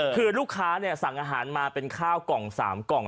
คือลูกค้าสั่งอาหารมาเป็นข้าวกล่อง๓กล่อง